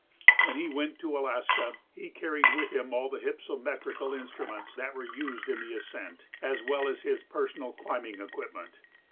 When he went to Alaska he carried with him all the hypsometrical instruments that were used in the ascent as well as his personal climbing equipment.